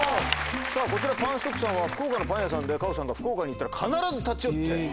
こちらパンストックさんは福岡のパン屋さんで夏帆さんが福岡に行ったら必ず立ち寄って。